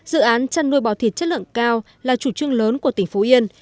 dự án chăn nuôi bò thịt chất lượng cao là chủ trương lớn của tỉnh phú yên